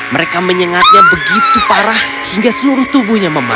mereka menyengatnya begitu parah hingga seluruh tubuhnya memasa